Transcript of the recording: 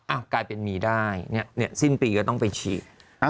อ้าวกลายเป็นมีได้สิ้นปีก็ต้องไปฉีด